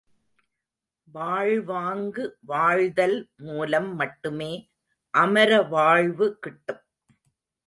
வாழ்வாங்கு வாழ்தல் மூலம் மட்டுமே அமரவாழ்வு கிட்டும்!